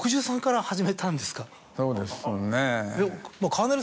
そうですね。